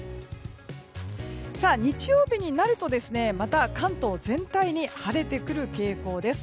日曜日になるとまた関東全体に晴れてくる傾向です。